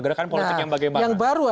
gerakan politik yang bagaimana